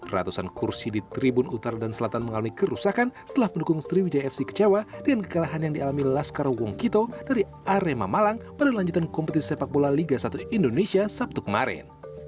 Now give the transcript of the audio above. ratusan kursi di tribun utara dan selatan mengalami kerusakan setelah pendukung sriwijaya fc kecewa dengan kekalahan yang dialami laskar wongkito dari arema malang pada lanjutan kompetisi sepak bola liga satu indonesia sabtu kemarin